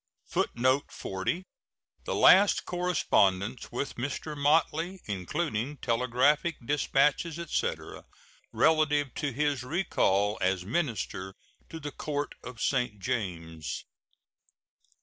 [Footnote 40: The last correspondence with Mr. Motley, including telegraphic dispatches, etc., relative to his recall as minister to the Court of St. James.